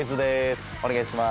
お願いします。